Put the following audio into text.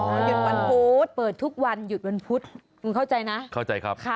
หยุดวันพุธเปิดทุกวันหยุดวันพุธคุณเข้าใจนะเข้าใจครับ